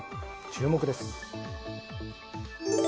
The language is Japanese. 注目です。